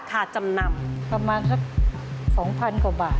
สาธุ